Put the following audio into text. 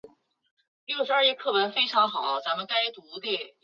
侧花沙蓬是苋科沙蓬属的植物。